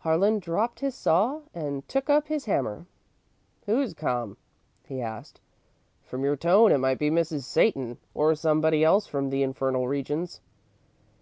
Harlan dropped his saw and took up his hammer. "Who's come?" he asked. "From your tone, it might be Mrs. Satan, or somebody else from the infernal regions."